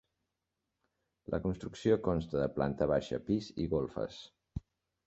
La construcció consta de planta baixa, pis i golfes.